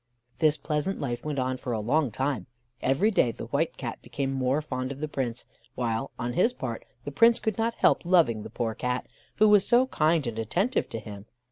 This pleasant life went on for a long time: every day the White Cat became more fond of the Prince, while, on his part, the Prince could not help loving the poor Cat, who was so kind and attentive to him.